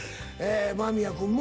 間宮君も。